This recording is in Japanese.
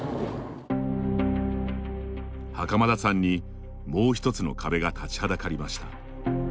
袴田さんにもう１つの壁が立ちはだかりました。